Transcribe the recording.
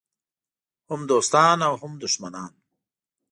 هم دوستان او هم دښمنان.